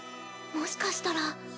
もしかしたら。